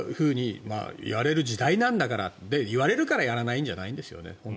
こういうふうに言われる時代なんだからって言われるからやらないんじゃないですよね。